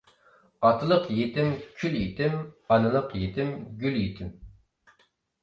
ئاتىلىق يېتىم كۈل يېتىم، ئانىلىق يېتىم گۈل يېتىم.